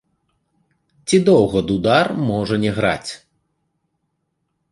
Ці доўга дудар можа не граць?